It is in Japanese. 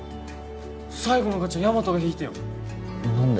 最後のガチャヤマトが引いてよ何で？